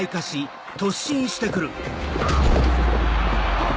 あっ！